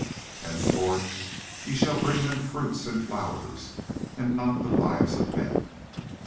Henceforth ye shall bring them fruits and flowers, and not the lives of men.